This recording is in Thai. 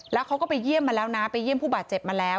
แล้วเขาก็ไปเยี่ยมมาแล้วนะไปเยี่ยมผู้บาดเจ็บมาแล้ว